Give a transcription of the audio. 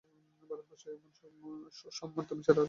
ভারতবর্ষে এমন সম্মান তুমি ছাড়া আর কাহারো সম্ভব হইবে না।